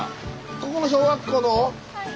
ここの小学校？